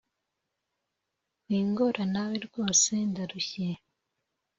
wingora nawe rwose ndarushye